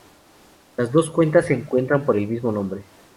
Las dos cuentas se encuentran por el mismo nombre.